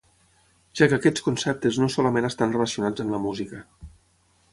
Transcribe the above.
Ja que aquests conceptes no solament estan relacionats amb la música.